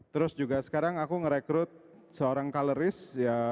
terus juga sekarang aku ngerekrut seorang coloris